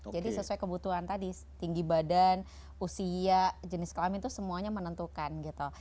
jadi sesuai kebutuhan tadi tinggi badan usia jenis kelamin itu semuanya menentukan gitu